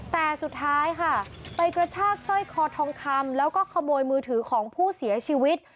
แต่สุดท้ายค่ะไปกระชากสร้อยคอทองคำแล้วก็ขโมยมือถือของผู้เสียชีวิต